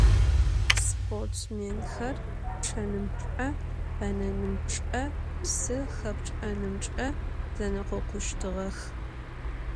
Sportsmênxer ççenımç'e, benenımç'e, psı xepç'enımç'e zenekhokhuştığex.